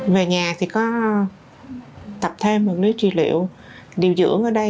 về nhà thì có tập thêm vật lý trị liệu điều dưỡng ở đây